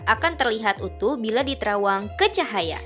akan terlihat utuh bila diterawang ke cahaya